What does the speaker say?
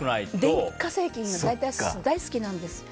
電化製品大好きなんです。